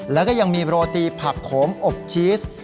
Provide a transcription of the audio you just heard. แล้วก็ยังมีโรตีผักโขมอบชีส